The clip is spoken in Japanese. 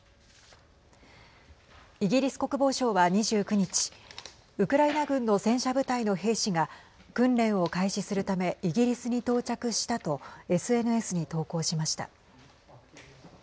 イギリス国防省は２９日ウクライナ軍の戦車部隊の兵士が訓練を開始するためイギリスに到着したとＳＮＳに投稿しました。